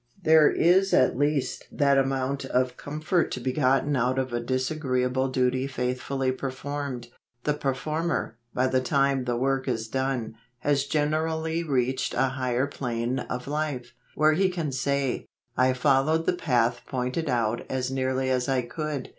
There is at least that amount of com¬ fort to be gotten out of a disagreeable duty faithfully performed — the performer, by the time the work is done, has generally reached a higher plane of life, where he can say : I followed the path pointed out as nearly as I could.